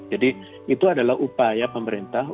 jadi itu adalah upaya pemerintah